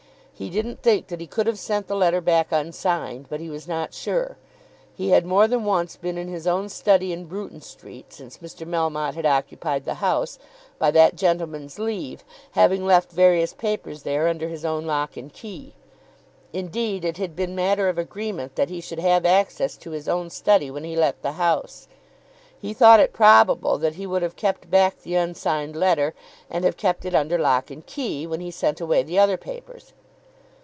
He didn't think that he could have sent the letter back unsigned, but he was not sure. He had more than once been in his own study in Bruton Street since Mr. Melmotte had occupied the house, by that gentleman's leave, having left various papers there under his own lock and key. Indeed it had been matter of agreement that he should have access to his own study when he let the house. He thought it probable that he would have kept back the unsigned letter, and have kept it under lock and key, when he sent away the other papers.